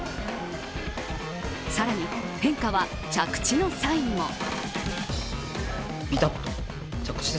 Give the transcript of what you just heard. さらに変化は着地の際にも。